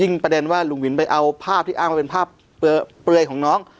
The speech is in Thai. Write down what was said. ประเด็นว่าลุงวินไปเอาภาพที่อ้างว่าเป็นภาพเปลือยของน้อง